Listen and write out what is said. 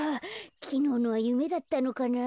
きのうのはゆめだったのかな？